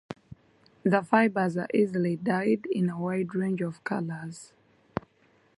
The fibers are easily dyed in a wide range of colors.